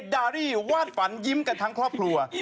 ดารี่วาดฝันยิ้มกันทั้งครอบครัว